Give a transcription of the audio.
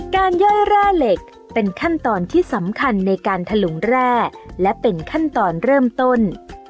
ย่อยแร่เหล็กเป็นขั้นตอนที่สำคัญในการถลุงแร่และเป็นขั้นตอนเริ่มต้น